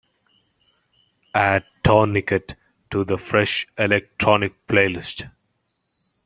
Add Tourniquet to the fresh electronic playlist.